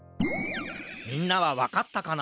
みんなはわかったかな？